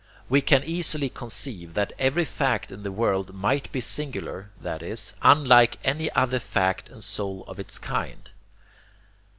We can easily conceive that every fact in the world might be singular, that is, unlike any other fact and sole of its kind.